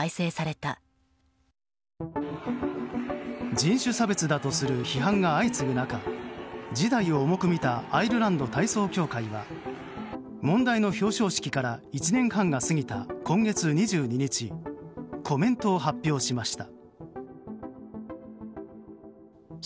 人種差別だとする批判が相次ぐ中事態を重く見たアイルランド体操協会は問題の表彰式から１年半が過ぎた今月２２日コメントを発表しました。